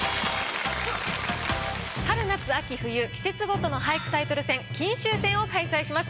春夏秋冬季節ごとの俳句タイトル戦・金秋戦を開催します。